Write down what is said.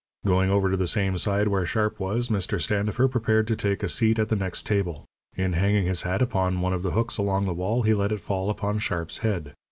Going over to the same side where Sharp was, Mr. Standifer prepared to take a seat at the next table. In hanging his hat upon one of the hooks along the wall he let it fall upon Sharp's head.